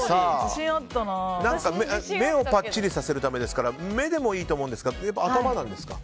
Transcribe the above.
目をパッチリさせるためですから目でもいいと思うんですけど頭なんですか？